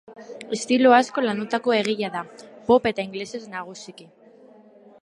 Estilo asko landutako egilea da, pop eta ingelesez nagusiki.